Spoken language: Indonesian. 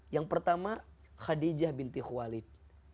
yang pertama khadijah binti khualid